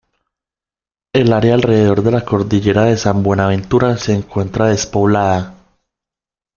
El área alrededor de la Cordillera de San Buenaventura se encuentra despoblada.